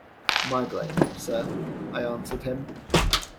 “My blame, sir,” I answered him.